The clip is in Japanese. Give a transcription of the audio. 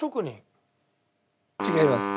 違います。